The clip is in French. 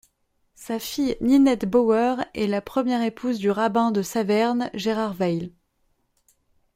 Sa fille Ninette Bauer est la première épouse du rabbin de Saverne, Gérard Weil.